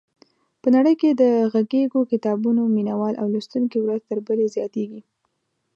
په نړۍ کې د غږیزو کتابونو مینوال او لوستونکي ورځ تر بلې زیاتېږي.